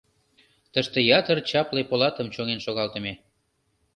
Тыште ятыр чапле полатым чоҥен шогалтыме.